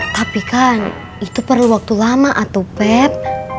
tapi kan itu perlu waktu lama atau pep